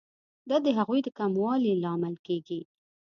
دا د هغوی د کموالي لامل کیږي.